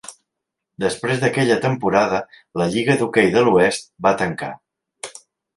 Després d'aquella temporada, la Lliga de hoquei de l'oest va tancar.